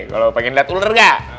kalau pengen liat ular gak